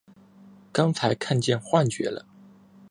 刚才看见幻觉了！